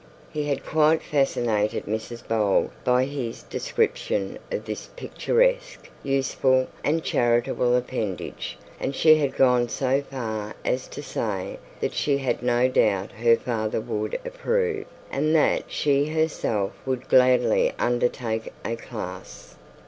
He had quite fascinated Mrs Bold by his description of this picturesque, useful, and charitable appendage, and she had gone so far as to say that she had no doubt her father would approve, and that she herself would gladly undertake a class.